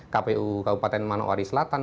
kpu kabupaten manowari selatan